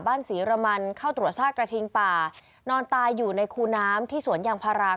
ศรีรมันเข้าตรวจซากกระทิงป่านอนตายอยู่ในคูน้ำที่สวนยางพารา